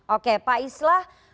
oke pak islah